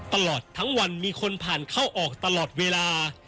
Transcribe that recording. ตลอดทั้งวันมีคนผ่านเข้าออกตลอดเวลา